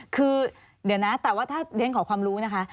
คือเดี๋ยวนะแต่ว่าถ้าเรียนขอความรู้นะคะ